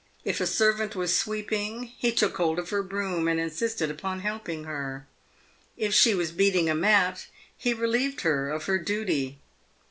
If a servant was sweeping, he took hold of her broom and insisted upon helping her. If she was beating a mat, he relieved her of her duty.